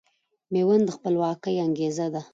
ميوند د خپلواکۍ انګېزه ده